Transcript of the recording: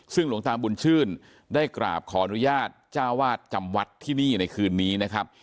ซึ่งหลวงตาบุญชื่นได้กราบขออนุญาตเจ้าวาดจำวัดที่นี่ในคืนนี้นะครับ